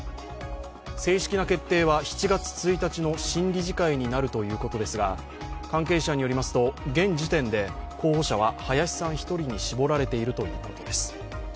正式な決定は７月１日の新理事会になるということですが関係者によりますと現時点で候補者は林さん１人に絞られているということです。